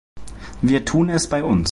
Wir tun es bei uns.